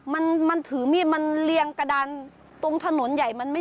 พ่อมันถือมีดมามันเรียกให้ออกไป